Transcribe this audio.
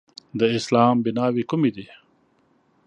د اسلام بیناوې کومې دي؟